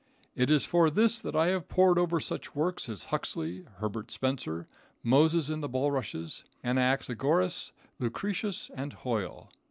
It is for this that I have poured over such works as Huxley, Herbert Spencer, Moses in the bulrushes, Anaxagoras, Lucretius and Hoyle.